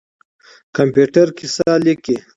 کمپيوټر کيسه ليکي.